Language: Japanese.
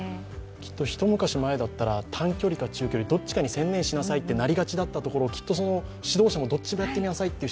きっと一昔前だったら、短距離か中距離、どちらかに専念しなさいとなりますが、きっと指導者もどっちもやってみなさいっていう